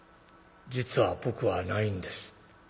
「『実は僕はないんです』。